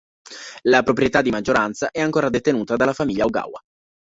La proprietà di maggioranza è ancora detenuta dalla famiglia Ogawa.